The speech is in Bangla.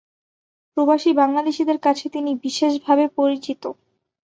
প্রবাসী বাংলাদেশিদের কাছে তিনি বিশেষভাবে পরিচিত।